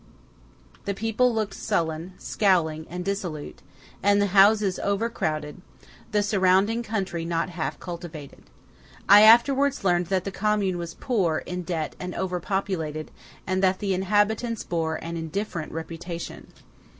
The people looked sullen, scowling, and dissolute; and the houses over crowded; the surrounding country not half cultivated. I afterwards learned that the commune was poor, in debt, and over populated; and that the inhabitants bore an indifferent reputation.